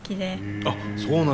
あっそうなんですか。